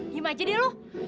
gimana aja dia loh